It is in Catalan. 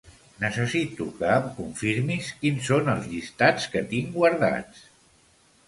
Necessito que em confirmis quins són els llistats que tinc guardats.